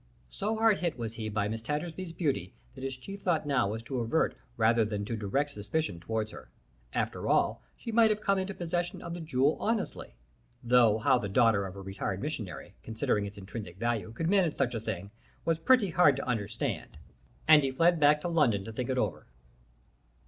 So hard hit was he by Miss Tattersby's beauty that his chief thought now was to avert rather than to direct suspicion towards her. After all, she might have come into possession of the jewel honestly, though how the daughter of a retired missionary, considering its intrinsic value, could manage such a thing, was pretty hard to understand, and he fled back to London to think it over.